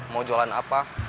mau jualan apa